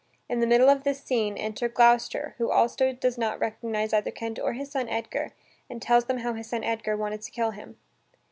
In the middle of this scene, enter Gloucester, who also does not recognize either Kent or his son Edgar, and tells them how his son Edgar wanted to kill him.